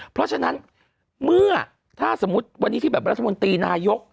เพราะฉะนั้นเมื่อถ้าสมมุติวันนี้ที่แบบรัฐมนตรีนายก